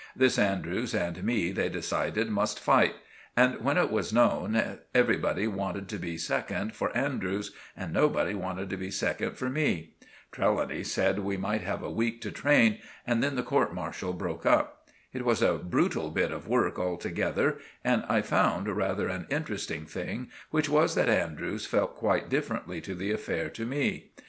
This Andrews and me they decided must fight; and when it was known, everybody wanted to be second for Andrews and nobody wanted to be second for me. Trelawny said we might have a week to train, and then the court martial broke up. It was a brutal bit of work altogether, and I found rather an interesting thing, which was that Andrews felt quite differently to the affair to me.